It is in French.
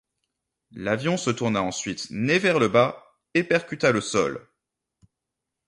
L'avion se tourna ensuite nez vers le bas et percuta le sol.